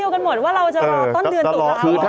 คำเดียวกันหมดว่าเราจะรอต้นเดือนตุลา